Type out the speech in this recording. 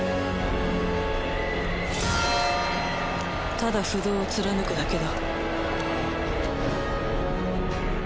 ただ不動を貫くだけだ。